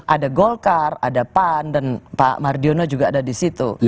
ada golkar ada pan dan pak mardiono juga ada di situ